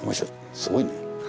すごいね。